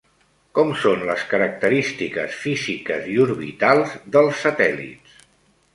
Com són les característiques físiques i orbitals dels satèl·lits?